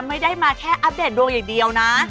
ไม่ได้มาแค่อัปเดตดวงอย่างเดียวนะ